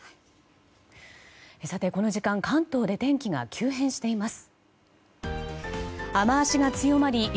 この時間関東で天気が急変しています。